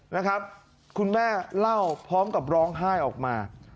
นะครับคุณแม่เล่าพร้อมกับร้องไห้ออกมา